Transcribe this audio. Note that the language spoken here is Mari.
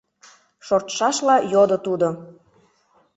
— шортшашла йодо тудо.